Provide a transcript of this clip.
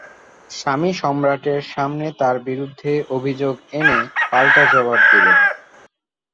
স্বামী সম্রাটের সামনে তার বিরুদ্ধে অভিযোগ এনে পাল্টা জবাব দিলেন।